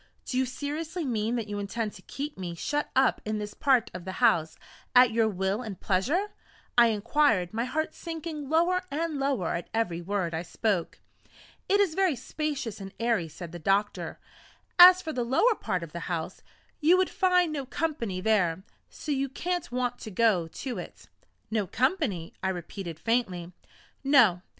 "Do you seriously mean that you intend to keep me shut up in this part of the house, at your will and pleasure?" I inquired, my heart sinking lower and lower at every word I spoke. "It is very spacious and airy," said the doctor; "as for the lower part of the house, you would find no company there, so you can't want to go to it." "No company!" I repeated faintly. "No.